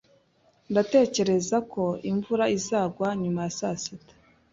Ndatekereza ko imvura izagwa nyuma ya saa sita.